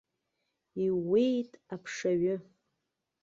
Иууеит аԥшаҩа.